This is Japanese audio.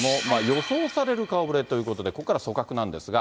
予想される顔ぶれということで、ここから組閣なんですが。